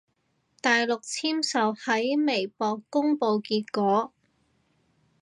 大陸簽售喺微博公佈結果